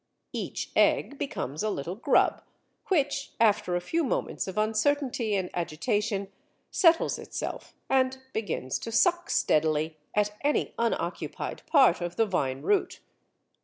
Each egg becomes a little grub, which after a few moments of uncertainty and agitation settles itself, and begins to suck steadily at any unoccupied part of the vine root.